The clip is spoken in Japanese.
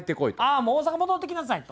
ああ大阪戻ってきなさいと。